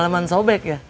daleman sobek ya